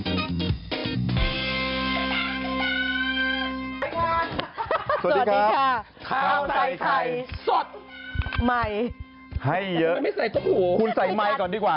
สวัสดีค่ะข้าวใส่ไข่สดใหม่ให้เยอะไม่ใส่ต้มหูคุณใส่ไมค์ก่อนดีกว่า